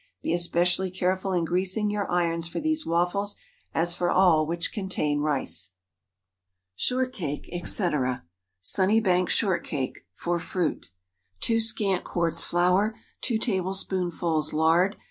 Be especially careful in greasing your irons for these waffles, as for all which contain rice. SHORTCAKE, &C. Sunnybank Shortcake (for fruit.) ✠ 2 scant quarts flour. 2 tablespoonfuls lard.